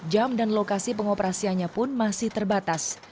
jam dan lokasi pengoperasiannya pun masih terbatas